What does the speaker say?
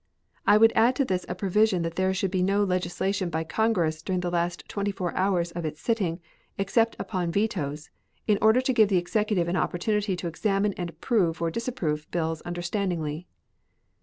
I would add to this a provision that there should be no legislation by Congress during the last twenty four hours of its sitting, except upon vetoes, in order to give the Executive an opportunity to examine and approve or disapprove bills understandingly.